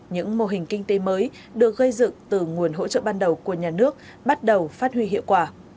những mô hình kinh tế mới được gây dựng từ nguồn hỗ trợ ban đầu của nhà nước bắt đầu phát huy hiệu quả